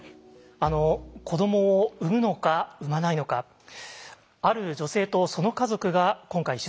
子どもを産むのか産まないのかある女性とその家族が今回取材に応じてくれました。